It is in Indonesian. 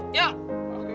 break dulu yuk